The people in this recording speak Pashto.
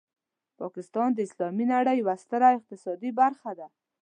پاکستان د اسلامي نړۍ یوه ستره اقتصادي برخه ده.